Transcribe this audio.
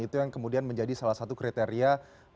itu yang kemudian menjadi salah satu kriteria